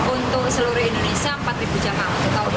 untuk seluruh indonesia empat jemaah